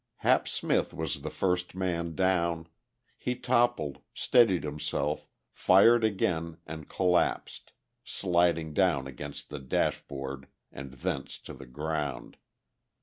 Hap Smith was the first man down; he toppled, steadied himself, fired again and collapsed, sliding down against the dash board and thence to the ground.